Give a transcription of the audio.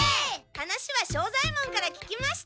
話は庄左ヱ門から聞きました。